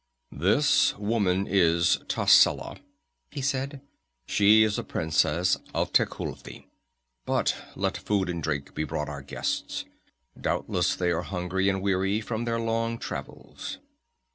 "This woman is Tascela," he said. "She is a princess of Tecuhltli. But let food and drink be brought our guests. Doubtless they are hungry, and weary from their long travels."